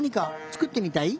つくってみたい！